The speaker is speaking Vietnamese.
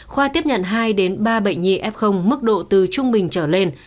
khoa tiếp nhận hai đến ba bệnh nhi f mức độ từ trung bình trở lên